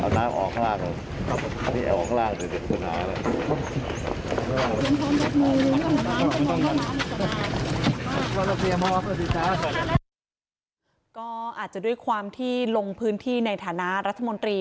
ก็อาจจะด้วยความที่ลงพื้นที่ในฐานะรัฐมนตรี